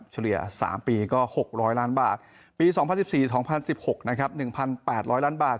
เฉลี่ย๓ปีก็๖๐๐ล้านบาทปี๒๐๑๔๒๐๑๖นะครับ๑๘๐๐ล้านบาท